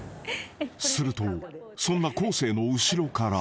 ［するとそんな昴生の後ろから］